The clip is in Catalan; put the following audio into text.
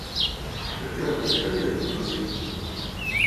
Per què va haver de canviar de província?